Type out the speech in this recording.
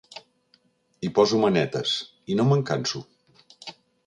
Hi poso manetes, i no me'n canso.